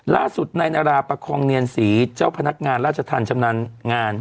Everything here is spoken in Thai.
ล่าสุดนายนาราประคองเนียนศรีเจ้าพนักงานราชธรรมชำนาญงาน